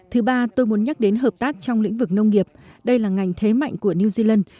thứ ba tôi muốn nhắc đến hợp tác trong lĩnh vực nông nghiệp đây là ngành thế mạnh của new zealand